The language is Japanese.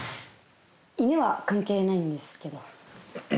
犬は関係ないんですけど。